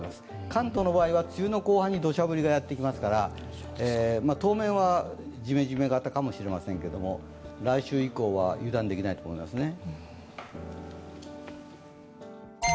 関東の場合、梅雨の後半にどしゃ降りがやってきますから当面はじめじめ型かもしれませんけれども来週以降は油断できないと思いますね。